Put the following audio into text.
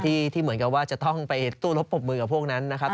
ที่เหมือนกับว่าจะต้องไปสู้รบปรบมือกับพวกนั้นนะครับ